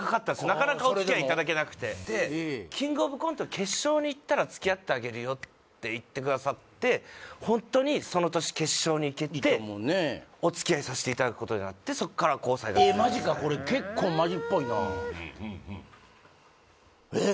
なかなかお付き合いいただけなくてキングオブコント決勝に行ったら付き合ってあげるよって言ってくださってホントにその年決勝に行けてお付き合いさせていただくことになってそっから交際えっマジかこれえっ？